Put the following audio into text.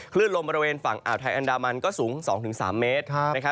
คลื่นลมบริเวณฝั่งอาวุธัยอันดามันก็สูง๒๓เมตร